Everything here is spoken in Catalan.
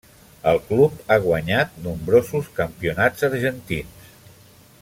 El club ha guanyat nombrosos campionats argentins.